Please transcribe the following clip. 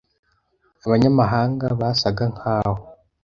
Abanyamahanga basaga nkaho;